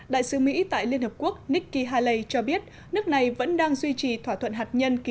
đại sứ mỹ tại liên hợp quốc nikki haley cho biết nước này vẫn đang duy trì thỏa thuận hạt nhân ký